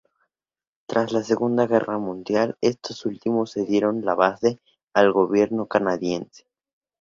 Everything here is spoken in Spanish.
Tras la Segunda Guerra Mundial, estos últimos cedieron la base al gobierno canadiense.